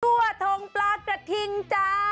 ทั่วทงปลากระทิงจ้า